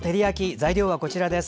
材料はこちらです。